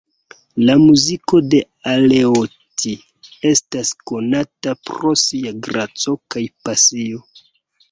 La muziko de Aleotti estas konata pro sia graco kaj pasio.